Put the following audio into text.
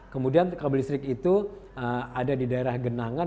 kemudian kabel listrik itu ada di daerah genangan